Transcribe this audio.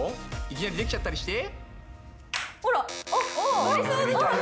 いきなりできちゃったりして？